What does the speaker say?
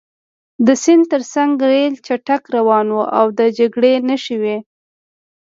د سیند ترڅنګ ریل چټک روان و او د جګړې نښې وې